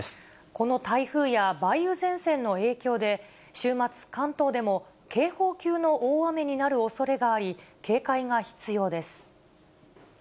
この台風や梅雨前線の影響で、週末、関東でも、警報級の大雨になるおそれがあり、警戒が必要です。